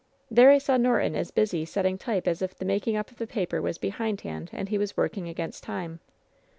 "There I saw Norton as busy setting type as if the making up of the paper was behindhand and he was working against time."